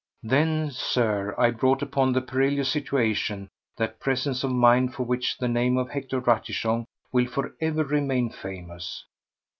Then, Sir, I brought upon the perilous situation that presence of mind for which the name of Hector Ratichon will for ever remain famous.